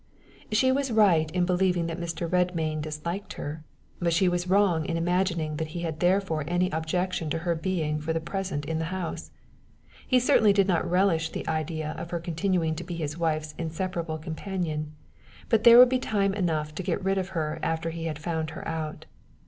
She was right in believing that Mr. Redmain disliked her, but she was wrong in imagining that he had therefore any objection to her being for the present in the house. He certainly did not relish the idea of her continuing to be his wife's inseparable companion, but there would be time enough to get rid of her after he had found her out.